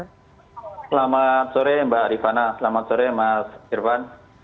selamat sore mbak rifana selamat sore mas irvan